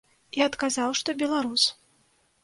І адказаў, што беларус.